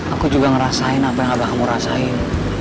aku juga ngerasain apa yang abah kamu rasain